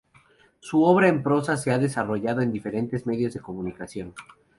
Su obra en prosa se ha desarrollado en diferentes medios de comunicación.